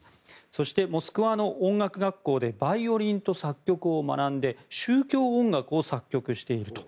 そして、モスクワの音楽学校でバイオリンと作曲を学んで宗教音楽を作曲していると。